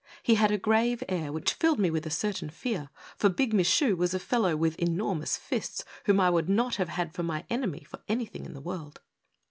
He had a grave air which filled me with a certain fear, for Big Michu was a fellow with enormous fists, wliom I would not have had for my enemy for anything in the world.